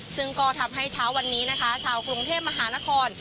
ซึ่งก็ทำให้เช้าวันนี้นะคะชาวกรุงเทพมหานคร